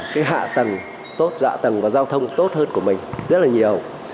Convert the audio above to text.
cái hạ tầng tốt hạ tầng và giao thông tốt hơn của mình rất là nhiều